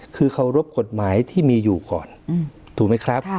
คือเคารพกฎหมายที่มีอยู่ก่อนถูกไหมครับ